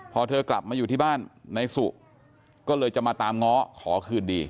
พอเธอกลับมาอยู่ที่บ้านนายสุก็เลยจะมาตามง้อขอคืนดี